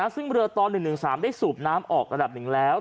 ซึ่งเรือตอน๑๑๓ได้สูบน้ำออก๑แล้ว